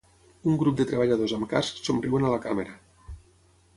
Un grup de treballadors amb casc somriuen a la càmera.